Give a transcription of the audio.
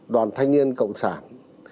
đoàn thanh niên cộng sản